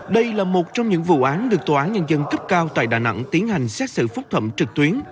đây là một trong những vụ án được tòa án nhân dân cấp cao tại đà nẵng tiến hành xét xử phúc thẩm trực tuyến